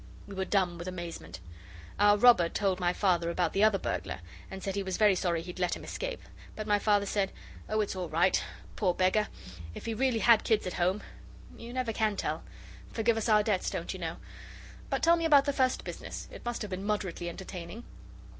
We were dumb with amazement. Our robber told my Father about the other burglar, and said he was sorry he'd let him escape, but my Father said, 'Oh, it's all right: poor beggar; if he really had kids at home: you never can tell forgive us our debts, don't you know; but tell me about the first business. It must have been moderately entertaining.